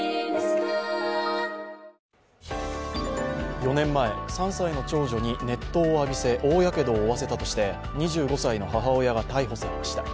４年前、３歳の長女に熱湯を浴びせ大やけどを負わせたとして２５歳の母親が逮捕されました。